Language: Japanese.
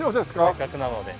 せっかくなので。